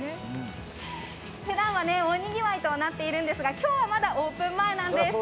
ふだんは大にぎわいとなっているんですが、今日はまだオープンまでなんです。